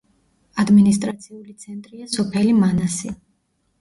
ადმინისტრაციული ცენტრია სოფელი მანასი.